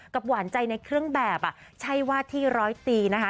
หวานใจในเครื่องแบบใช่ว่าที่ร้อยตีนะคะ